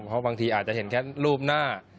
เพราะบางทีอาจจะเห็นแค่รูปหน้า